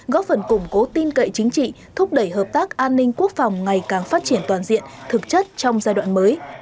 góp phần củng cố tin cậy chính trị thúc đẩy hợp tác an ninh quốc phòng ngày càng phát triển toàn diện thực chất trong giai đoạn mới